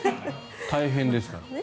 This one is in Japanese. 大変ですから。